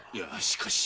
しかし。